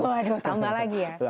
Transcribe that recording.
waduh tambah lagi ya